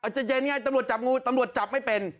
จะเย็นไงตำรวจจับงูตำรวจจับไม่เป็น